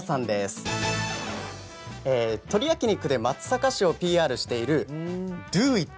鶏焼き肉で松阪市をＰＲしているＤｏｉｔ！